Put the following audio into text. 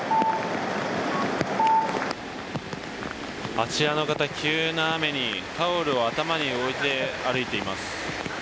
あちらの方、急な雨に頭にタオルを置いて歩いています。